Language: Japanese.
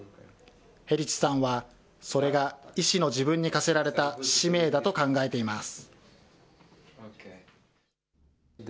ヘリチさんは、それが医師の自分に課せられた使命だと考えています。